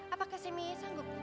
apakah kak semi sanggup